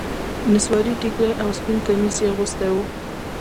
نصواري ټيکری او سپين کميس يې اغوستي وو.